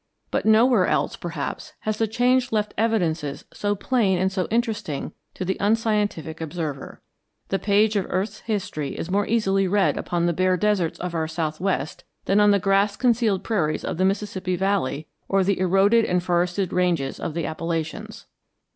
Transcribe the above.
But nowhere else, perhaps, has the change left evidences so plain and so interesting to the unscientific observer. The page of earth's history is more easily read upon the bare deserts of our southwest than on the grass concealed prairies of the Mississippi Valley or the eroded and forested ranges of the Appalachians.